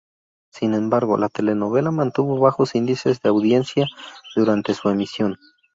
Sin embargo, la telenovela mantuvo bajos índices de audiencia durante su emisión.